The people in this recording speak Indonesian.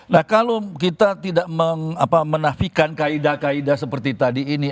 nah kalau kita tidak menafikan kaedah kaedah seperti tadi ini